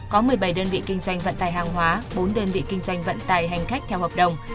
có một mươi bảy đơn vị kinh doanh vận tài hàng hóa bốn đơn vị kinh doanh vận tải hành khách theo hợp đồng